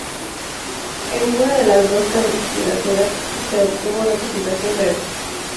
En ninguna de las dos candidaturas se obtuvo representación verde.